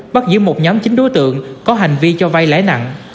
bắt giữ một nhóm chính đối tượng có hành vi cho vay lãi nặng